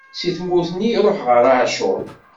Si tmurt nni, iṛuḥ ɣer Acur.